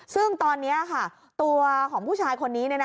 ซึ่งตอนนี้ค่ะตัวของผู้ชายคนนี้